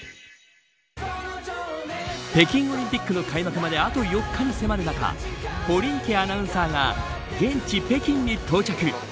北京オリンピックの開幕まであと４日に迫る中堀池アナウンサーが現地、北京に到着。